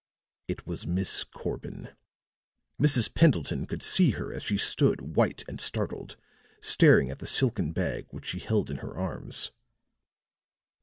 It was Miss Corbin; Mrs. Pendleton could see her as she stood white and startled, staring at the silken bag which she held in her hands.